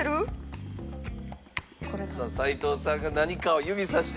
さあ齊藤さんが何かを指さしてる。